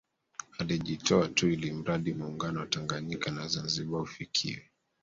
Alijitoa tu ilimradi Muungano wa Tanganyika na Zanzibar ufikiwe